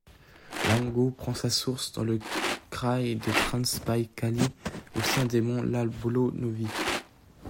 L'Oungo prend sa source dans le Kraï de Transbaïkalie, au sein des monts Iablonovy.